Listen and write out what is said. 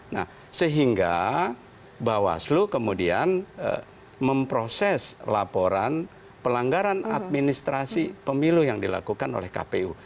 nah sehingga bawaslu kemudian memproses laporan pelanggaran administrasi pemilu yang dilakukan oleh kpu